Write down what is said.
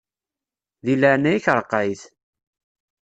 Di leɛnaya-k ṛeqqeɛ-it.